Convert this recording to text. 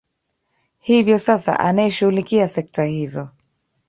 hivyo sasa anayeshughulikia sekta hizo